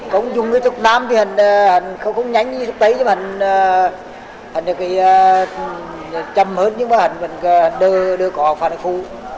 không dùng cái thuốc nam thì hẳn không nhanh như thuốc tay chứ hẳn châm hết nhưng mà hẳn đưa cỏ vào phần phu